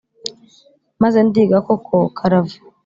maze ndiga koko karava.